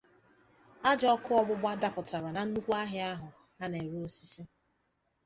ajọ ọkụ ọgbụgba dapụtara na nnukwu ahịa ahụ a na-ere osisi